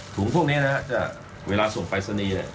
ถุงพวกนี้เวลาส่งไปสนี